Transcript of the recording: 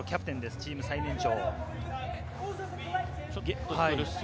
チーム最年長。